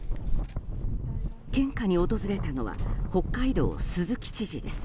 献花に訪れたのは北海道の鈴木知事です。